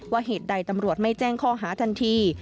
เหตุใดตำรวจไม่แจ้งข้อหาทันที